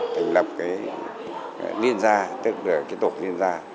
thành lập cái liên gia tức là cái tổ liên gia